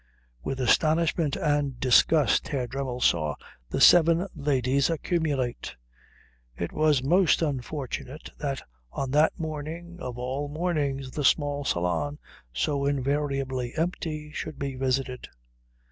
With astonishment and disgust Herr Dremmel saw the seven ladies accumulate. It was most unfortunate that on that morning of all mornings the small salon, so invariably empty, should be visited.